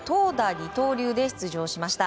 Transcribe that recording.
二刀流で出場しました。